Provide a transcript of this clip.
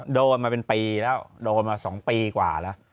โดนมาเป็นปีแล้วโดนมา๒ปีกว่าแล้ว